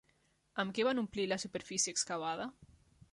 Amb què van omplir la superfície excavada?